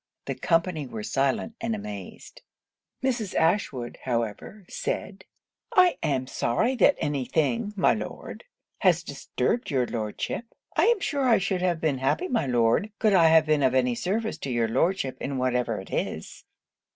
The company were silent, and amazed. Mrs. Ashwood, however, said, 'I am sorry that any thing, my Lord, has disturbed your Lordship. I am sure I should have been happy, my Lord, could I have been of any service to your Lordship in whatever it is.'